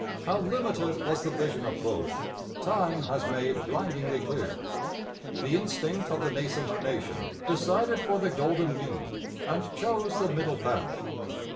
How limited was the vision of both time has made blindingly clear. The instinct of the nascent nation decided for the golden mean, and chose the middle path.